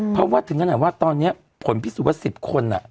เพราะถึงกันไหนว่าตอนนี้ผลพิสูจน์ว่า๑๐คน